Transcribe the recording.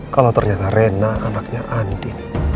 kalau ternyata rena anaknya andi